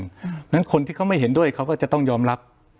เพราะฉะนั้นคนที่เขาไม่เห็นด้วยเขาก็จะต้องยอมรับ